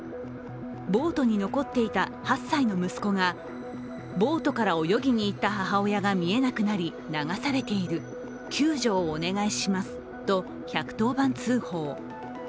ボートに残っていた８歳の息子がボートから泳ぎにいった母親が見えなくなり流されている、救助をお願いしますと１１０番通報。